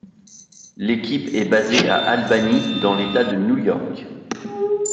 L'équipe est basée à Albany dans l'État de New York.